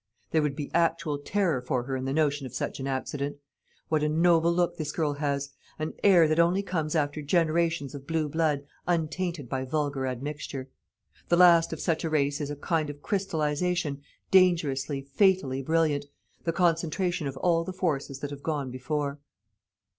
There would be actual terror for her in the notion of such an accident. What a noble look this girl has! an air that only comes after generations of blue blood untainted by vulgar admixture. The last of such a race is a kind of crystallisation, dangerously, fatally brilliant, the concentration of all the forces that have gone before."